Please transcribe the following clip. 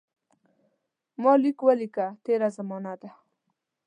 ما لیک ولیکه تېره زمانه ده.